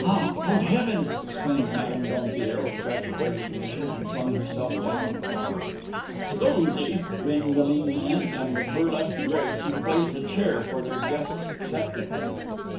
"Ah, oh, heaven!" exclaimed Madame Dompierre with tragic resignation, and flung herself down on a couch. "Scusi," grinned the lean man, and with burlesque grace he placed a chair for their guest's acceptance.